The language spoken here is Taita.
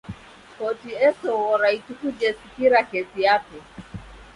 Koti esoghora ituku jesikira kesi yape.